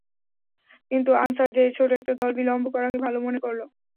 কিন্তু আনসারদের ছোট একটি দল বিলম্ব করাকে ভাল মনে করল।